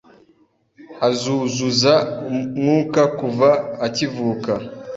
Azuzuza Mwuka kuva akivuka.